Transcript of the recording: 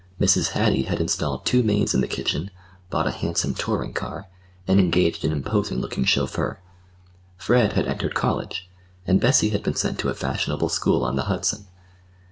Mrs. Hattie had installed two maids in the kitchen, bought a handsome touring car, and engaged an imposing looking chauffeur. Fred had entered college, and Bessie had been sent to a fashionable school on the Hudson.